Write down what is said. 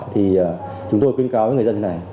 thì chúng tôi khuyến cáo với người dân thế này